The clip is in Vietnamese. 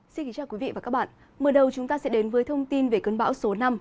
xin kính chào quý vị và các bạn mở đầu chúng ta sẽ đến với thông tin về cơn bão số năm